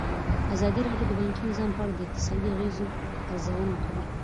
ازادي راډیو د بانکي نظام په اړه د اقتصادي اغېزو ارزونه کړې.